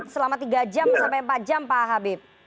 selama tiga jam sampai empat jam pak habib